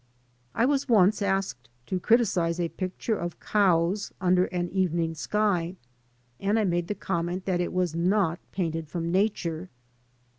I was once asked to criticise a picture of cows under an evening sky, and I made the comment that it was not painted from Nature.